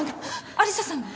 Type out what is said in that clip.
有沙さんが？